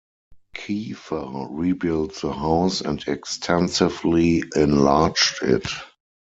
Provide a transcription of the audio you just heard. Keefer rebuilt the house and extensively enlarged it.